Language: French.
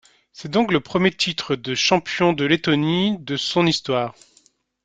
C'est donc le premier titre de champion de Lettonie de son histoire.